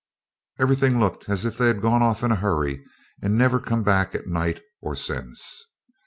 Everything looked as if they'd gone off in a hurry, and never come back at night or since.